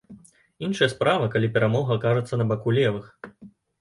Іншая справа, калі перамога акажацца на баку левых.